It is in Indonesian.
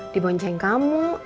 di bonceng kamu